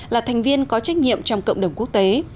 là thành viên có trách nhiệm trong cộng đồng quốc tế